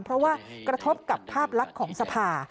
เพราะว่ากระทบกับภาพลักษณ์ของสภา